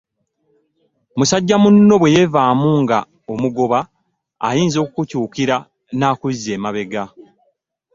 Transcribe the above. Musajja muno bweyevaamu nga omugoba ayinza okukukyukira n'akuzza amabega .